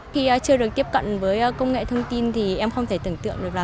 khi chưa được tiếp cận với công nghệ thông tin thì em không thể tưởng tượng được là